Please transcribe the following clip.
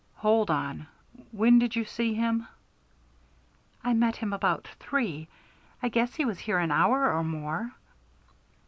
"Hold on; when did you see him?" "I met him about three. I guess he was here an hour or more."